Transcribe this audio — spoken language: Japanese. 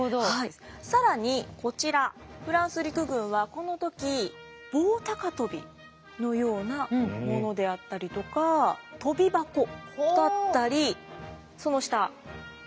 更にこちらフランス陸軍はこの時棒高跳びのようなものであったりとか跳び箱だったりその下ブランコ。